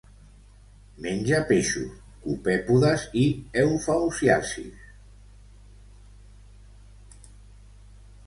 Menja peixos, copèpodes i eufausiacis.